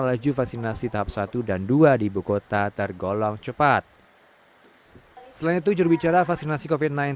laju vaksinasi tahap satu dan dua di ibu kota tergolong cepat selain itu jurubicara vaksinasi covid sembilan belas